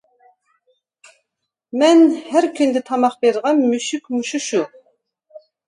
مەن كۈندە تاماق بېرىدىغان مۈشۈك مۇشۇ شۇ!